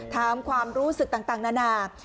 ถามความรู้สึกต่างนานา